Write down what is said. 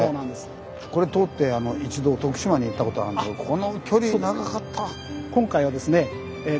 これ通って一度徳島に行ったことあるんですけどこの距離長かった！